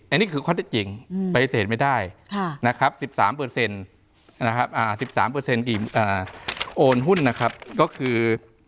อันนี้คือข้อเท็จจริงประเศษไม่ได้๑๓โอนหุ้นก็คือ๒๓